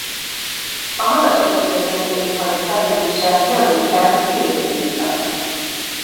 A magashegységekben élő fajok fejlődése nemritkán két évig tart.